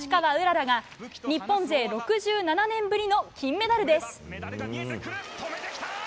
らが日本勢６７年ぶりの金メダルです。